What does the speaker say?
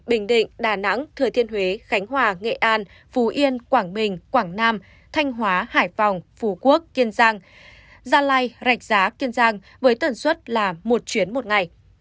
bình định đà nẵng thừa thiên huế khánh hòa nghệ an phú yên quảng bình quảng nam thanh hóa hải phòng phú quốc kiên giang gia lai rạch giá kiên giang với tần suất là một chuyến một ngày